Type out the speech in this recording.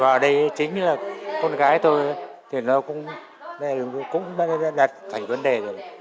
và ở đây chính là con gái tôi thì nó cũng đã đặt thành vấn đề rồi